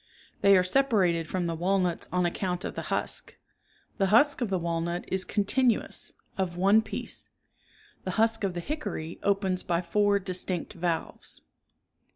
They are separated from the walnuts on account of the husk; the husk of the walnut is con tinuous, of one piece ; the husk of the hickory opens by four distinct valves.